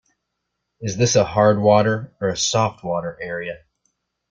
Is this a hard water or a soft water area?